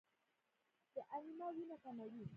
د انیمیا وینه کموي.